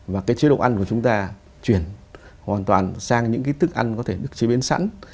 và cái chế độ ăn của chúng ta chuyển hoàn toàn sang những cái thức ăn có thể được chế biến sẵn